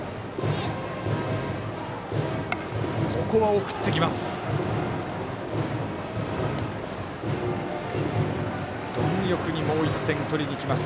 ここは送ってきます。